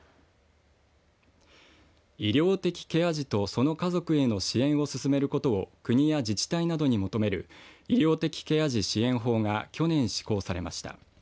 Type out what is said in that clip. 医療的ケア児とその家族への支援を進めることを国や自治体などに求める医療的ケア児支援法が去年、施行されました。